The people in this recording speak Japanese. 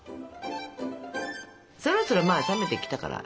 そろそろまあ冷めてきたから。